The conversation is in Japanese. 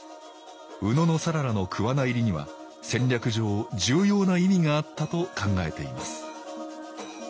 野讃良の桑名入りには戦略上重要な意味があったと考えています